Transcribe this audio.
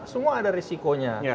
semua ada risikonya